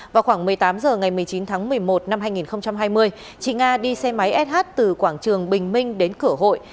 vào khoảng một mươi tám h ngày một mươi chín tháng một mươi một năm hai nghìn hai mươi chị nga đi xe máy sh từ quảng trường bình minh đến cửa hội